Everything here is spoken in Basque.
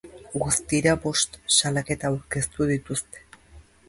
Guztira bost salaketa aurkeztu dituzte.